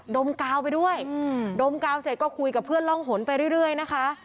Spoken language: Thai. มกาวไปด้วยดมกาวเสร็จก็คุยกับเพื่อนร่องหนไปเรื่อยนะคะ